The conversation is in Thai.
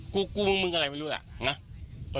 กูกุ้งมึงอะไรไม่รู้ล่ะนะ